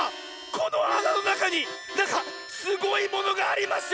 このあなのなかになんかすごいものがありますよ！